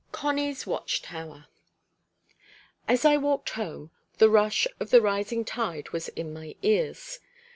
CONNIE'S WATCH TOWER. As I walked home, the rush of the rising tide was in my ears.